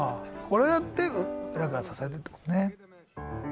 これやって裏から支えてるってことね。